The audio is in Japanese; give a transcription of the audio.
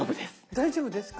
大丈夫ですか？